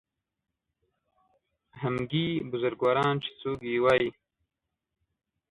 همګي بزرګواران چې څوک یې وایي